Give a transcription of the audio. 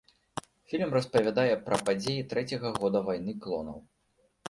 Фільм распавядае пра падзеі трэцяга года вайны клонаў.